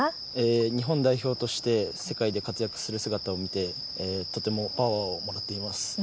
日本代表として世界で活躍する姿を見てとてもパワーをもらっています。